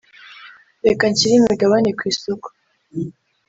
reka nshyire imigabane ku isoko